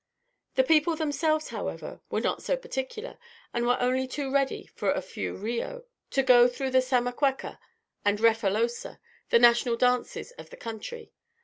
The people themselves, however, were not so particular, and were only too ready, for a few reaux, to go through the Sammaquecca and Refolosa the national dances of the country.